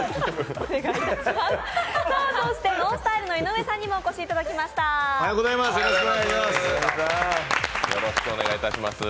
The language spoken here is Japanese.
そしてＮＯＮＳＴＹＬＥの井上さんにもお越しいただきました。